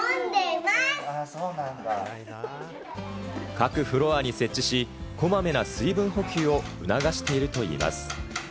各フロアに設置し、こまめな水分補給を促しているといいます。